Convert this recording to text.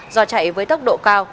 do chạy với tốc độ cao